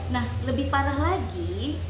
nah lebih parah lagi